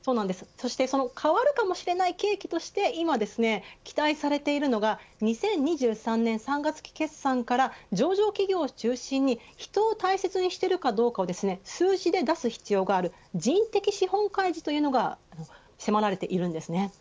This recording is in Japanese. そして変わるかもしれない契機として今期待されているのが２０２３年３月期決算から上場企業を中心に人を大切にしてるかどうかを数字で出す必要がある人的資本開示というのが迫られているんです。